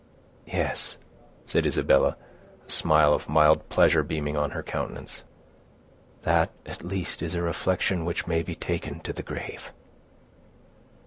"Yes," said Isabella, a smile of mild pleasure beaming on her countenance, "that, at least, is a reflection which may be taken to the grave."